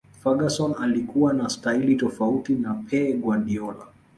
ferguson alikuwa na staili tofauti na Pe Guardiola